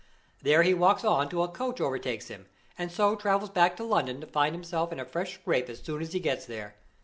There he walks on till a coach overtakes him, and so travels back to London to find himself in a fresh scrape as soon as he gets there.